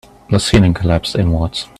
The ceiling collapsed inwards.